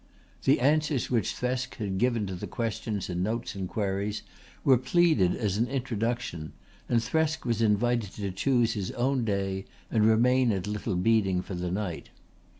The answers which Thresk had given to the questions in Notes and Queries were pleaded as an introduction and Thresk was invited to choose his own day and remain at Little Beeding for the night.